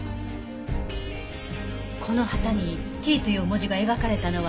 この旗にＴという文字が描かれたのはどうしてですか？